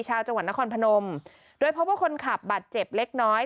ชาวจังหวัดนครพนมโดยพบว่าคนขับบาดเจ็บเล็กน้อย